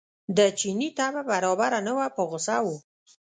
د چیني طبع برابره نه وه په غوسه و.